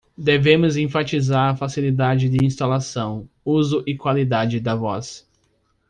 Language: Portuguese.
Devemos enfatizar a facilidade de instalação, uso e qualidade da voz.